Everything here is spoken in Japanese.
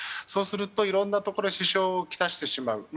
そうするといろんなところへ支障を来してしまう。